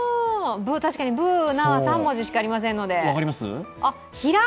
確かにブ、ぶ、なの３文字しかありませんので。